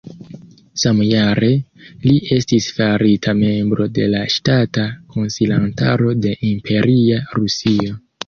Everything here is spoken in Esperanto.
Samjare, li estis farita membro de la Ŝtata Konsilantaro de Imperia Rusio.